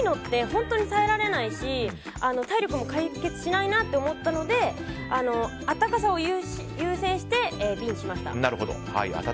本当に耐えられないし体力も解決しないなと思ったので暖かさを優先してＢにしました。